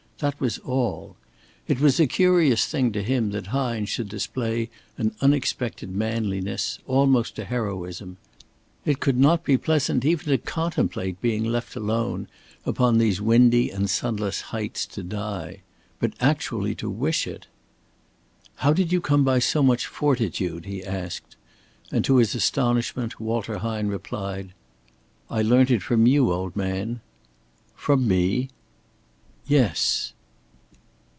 That was all. It was a curious thing to him that Hine should display an unexpected manliness almost a heroism. It could not be pleasant even to contemplate being left alone upon these windy and sunless heights to die. But actually to wish it! "How did you come by so much fortitude?" he asked; and to his astonishment, Walter Hine replied: "I learnt it from you, old man." "From me?" "Yes."